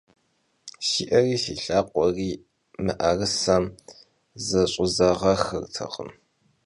Si 'eri si lhakhueri mı'erısem zeş'ızağexırtekhım.